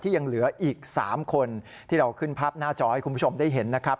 ยังเหลืออีก๓คนที่เราขึ้นภาพหน้าจอให้คุณผู้ชมได้เห็นนะครับ